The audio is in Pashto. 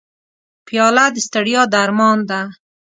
پیاله د ستړیا درمان ده.